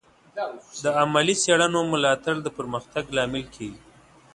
د علمي څیړنو ملاتړ د پرمختګ لامل کیږي.